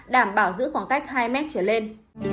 đảm bảo giữ khoảng cách từ hai m trở lên